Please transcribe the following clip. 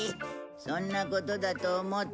そんなことだと思った。